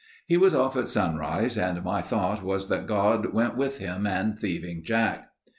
He was off at sunrise and my thought was that God went with him and Thieving Jack.